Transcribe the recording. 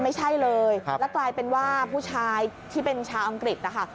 ไม่ใช่เลยแล้วกลายเป็นว่าผู้ชายที่เป็นชาวอังกฤษนะคะ